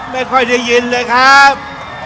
ไม่ค่อยได้ยินเลยครับ